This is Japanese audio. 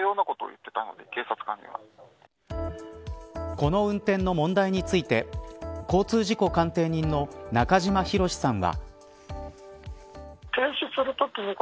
この運転の問題について交通事故鑑定人の中島博史さんは。